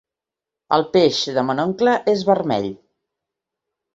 El peix de mon oncle és vermell.